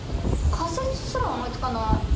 仮説すら思いつかない。